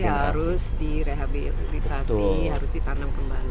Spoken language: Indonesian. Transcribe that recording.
jadi berarti harus direhabilitasi harus ditanam kembali